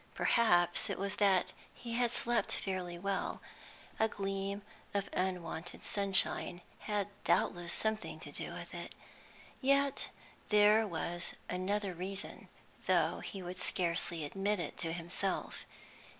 Perhaps it was that he had slept fairly well; a gleam of unwonted sunshine had doubtless something to do with it. Yet there was another reason, though he would scarcely admit it to himself.